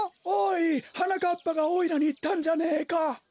おいはなかっぱがおいらにいったんじゃねえか。